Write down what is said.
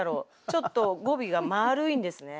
ちょっと語尾が丸いんですね。